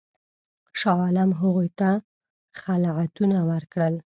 شاه عالم هغوی ته خلعتونه ورکړل.